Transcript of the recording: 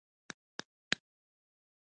پټو کې لو کوم، سابه راوړمه